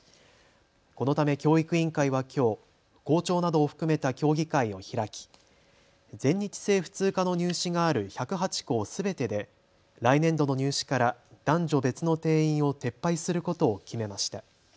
このため教育委員会はきょう校長などを含めた協議会を開き全日制普通科の入試がある１０８校すべてで来年度の入試から男女別の定員を撤廃することを決めました。